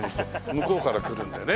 向こうから来るんだよね。